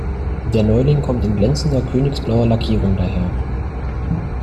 Der Neuling kommt in glänzender, königsblauer Lackierung daher.